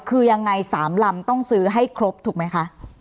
คือยังไง๓ลำต้องซื้อให้ครบถูกไหมคะ